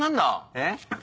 えっ。